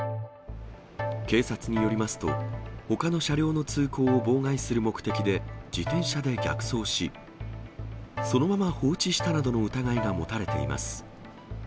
警察によりますと、ほかの車両の通行を妨害する目的で、自転車で逆走し、そのまま放置したなどの疑いが持たれています。